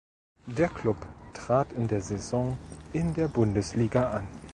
Der Klub trat in der Saison in der Bundesliga an.